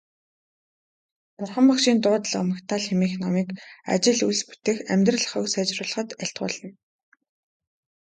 Бурхан Багшийн дуудлага магтаал хэмээх номыг ажил үйлс бүтээх, амьдрал ахуйг сайжруулахад айлтгуулна.